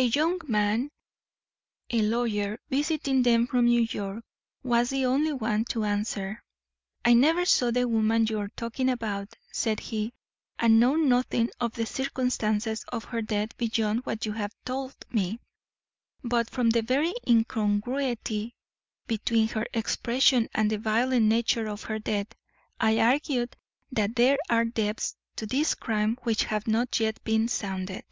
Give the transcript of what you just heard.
A young man, a lawyer, visiting them from New York, was the only one to answer. "I never saw the woman you are talking about," said he, "and know nothing of the circumstances of her death beyond what you have told me. But from the very incongruity between her expression and the violent nature of her death, I argue that there are depths to this crime which have not yet been sounded."